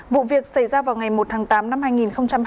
vụ việc xảy ra vào ngày một tháng tám năm hai nghìn hai mươi ba